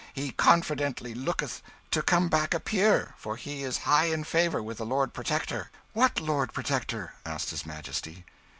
He confidently looketh to come back a peer, for he is high in favour with the Lord Protector." "What Lord Protector?" asked his Majesty.